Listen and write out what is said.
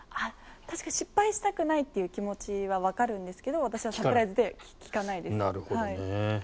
失敗したくないという気持ちはわかるんですけど私はサプライズで聞かないです。